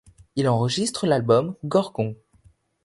Il enregistre l'album Gorgon.